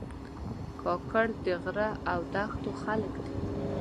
کاکړ د غره او دښتو خلک دي.